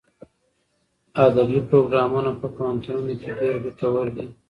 ادبي پروګرامونه په پوهنتونونو کې ډېر ګټور دي.